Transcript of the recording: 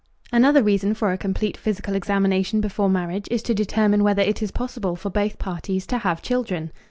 Another reason for a complete physical examination before marriage is to determine whether it is possible for both parties to have children.